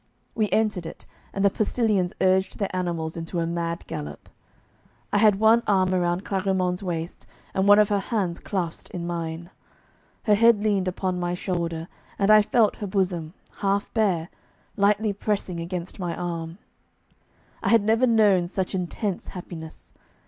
We entered it, and the postillions urged their animals into a mad gallop. I had one arm around Clarimonde's waist, and one of her hands clasped in mine; her head leaned upon my shoulder, and I felt her bosom, half bare, lightly pressing against my arm. I had never known such intense happiness.